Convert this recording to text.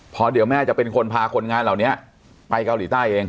เพราะเดี๋ยวแม่จะเป็นคนพาคนงานเหล่านี้ไปเกาหลีใต้เอง